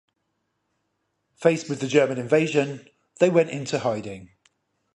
Faced with the German invasion, they went into hiding.